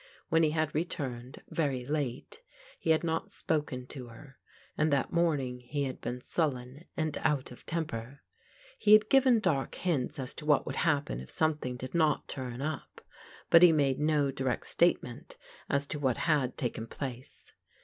When he had returned, very late, he had not spoken to her, and that morning he had been sullen and out of temper. He had given dark hints as to what would happen if something did not turn up, but he made no direct statement as to what had taken place.